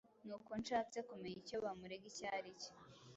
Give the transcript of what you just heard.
Nuko nshatse kumenya icyo bamurega icyo ari cyo,